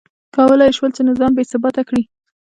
کولای یې شول چې نظام بې ثباته کړي.